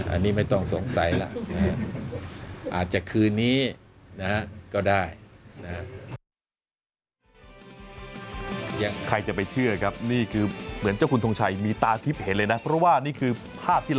อันนี้ไม่ต้องสงสัยล่ะอาจจะคืนนี้นะครับก็ได้